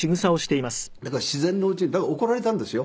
だから自然のうちにだから怒られたんですよ。